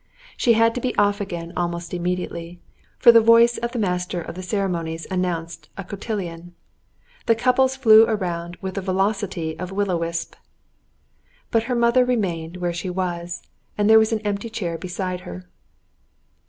She had to be off again almost immediately, for the voice of the master of the ceremonies announced a cotillon. The couples flew round with the velocity of will o' the wisp. But her mother remained where she was, and there was an empty chair beside her.